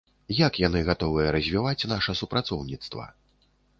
Як яны гатовыя развіваць наша супрацоўніцтва.